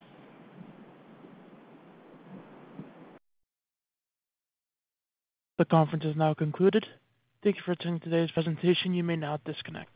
The conference is now concluded. Thank you for attending today's presentation. You may now disconnect.